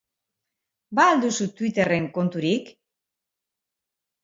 Ba al duzu Twitterren konturik?